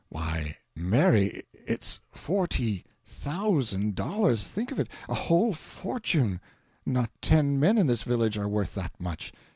Why, Mary, it's for ty thousand dollars think of it a whole fortune! Not ten men in this village are worth that much.